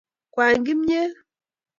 kwany kimyet